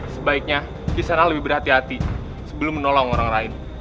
sebaiknya kisana lebih berhati hati sebelum menolong orang lain